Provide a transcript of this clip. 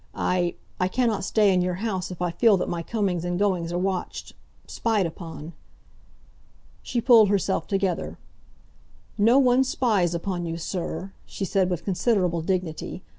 I—I cannot stay in your house if I feel that my comings and goings are watched—spied upon." She pulled herself together. "No one spies upon you, sir," she said, with considerable dignity.